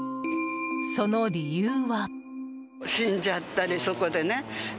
その理由は。